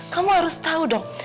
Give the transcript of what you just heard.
kamu harus tau dong